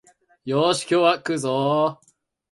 よーし、今日は食うぞお